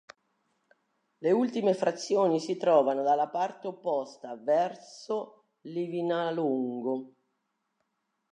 Le ultime frazioni si trovano dalla parte opposta, verso Livinallongo.